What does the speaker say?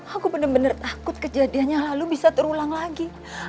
aku benar benar takut kejadiannya lalu bisa terulang lagi